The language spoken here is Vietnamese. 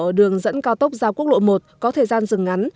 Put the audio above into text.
ở đường dẫn cao tốc ra quốc lộ một có thời gian dừng ngắn